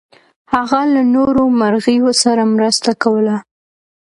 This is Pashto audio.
هغه له نورو مرغیو سره مرسته کوله.